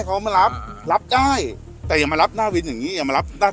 เขาตกลงกันแล้วว่าเปิดข้างบนน่ะรับในซอย